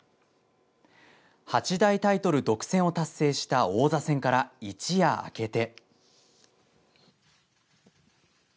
八大タイトル独占を達成した王座戦から一夜明けて。